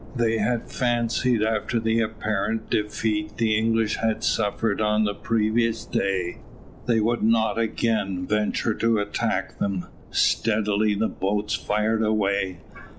They had fancied after the apparent defeat the English had suffered on the previous day, they would not again venture to attack them. Steadily the boats fired away.